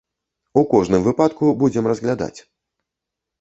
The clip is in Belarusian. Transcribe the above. У кожным выпадку будзем разглядаць.